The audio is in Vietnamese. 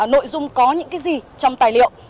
nội dung có những cái gì trong tài liệu